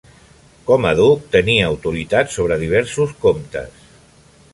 Com a duc tenia autoritat sobre diversos comtes.